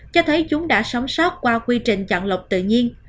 cho thấy chúng đã sống sót qua quy trình chọn lọc tự nhiên